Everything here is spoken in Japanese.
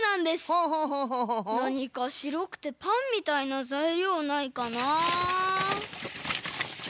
なにかしろくてパンみたいなざいりょうないかな？